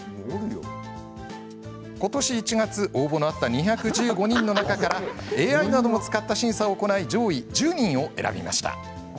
ことし１月応募のあった２１５人の中からＡＩなども使った審査を行い上位１０人を選びました。